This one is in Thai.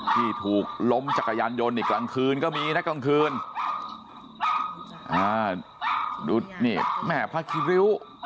ที่ถูกล้มจักรยานยนต์นี่กลางคืนก็มีนะกลางคืนอ่าดูนี่แม่พระคิริ้ว